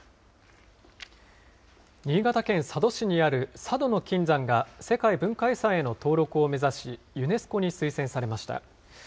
新潟県佐渡市にある佐渡島の金山が、世界文化遺産への登録を目指し、ユネスコに推薦されました。